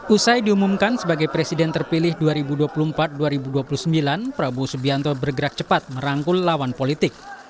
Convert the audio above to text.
usai diumumkan sebagai presiden terpilih dua ribu dua puluh empat dua ribu dua puluh sembilan prabowo subianto bergerak cepat merangkul lawan politik